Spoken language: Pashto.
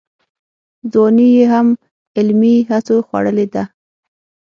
ځواني یې هم علمي هڅو خوړلې ده.